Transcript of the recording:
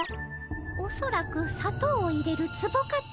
おそらくさとうを入れるツボかと。